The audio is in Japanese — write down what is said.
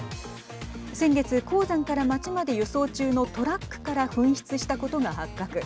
先月、鉱山から町まで輸送中のトラックから紛失したことが発覚。